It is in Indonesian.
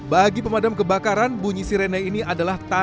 bagi pemadam kebakaran bunyi sirena ini ada di dalamnya